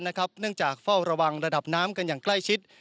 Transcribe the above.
เนื่องจากเฝ้าระวังระดับน้ำกันอย่างใกล้ชิด